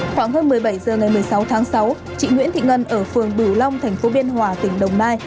khoảng hơn một mươi bảy h ngày một mươi sáu tháng sáu chị nguyễn thị ngân ở phường bửu long thành phố biên hòa tỉnh đồng nai